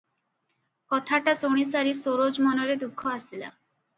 କଥାଟା ଶୁଣିସାରି ସରୋଜ ମନରେ ଦୁଃଖ ଆସିଲା ।